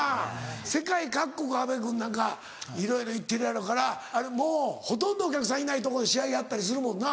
世界各国阿部君なんかいろいろ行ってるやろうからほとんどお客さんいないとこで試合やったりするもんな。